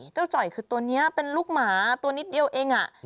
จ่อยคือตัวนี้เป็นลูกหมาตัวนิดเดียวเอง